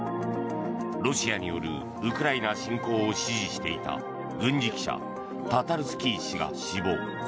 ロシアによるウクライナ侵攻を支持していた軍事記者タタルスキー氏が死亡。